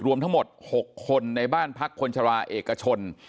รวมทั้งหมด๖คนในบ้านพักคนชราเอกชน